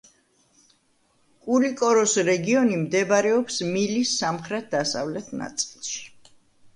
კულიკოროს რეგიონი მდებარეობს მალის სამხრეთ-დასავლეთ ნაწილში.